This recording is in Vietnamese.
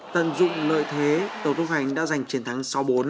tận dụng lợi thế tớ thuộc hành đã giành chiến thắng sáu bốn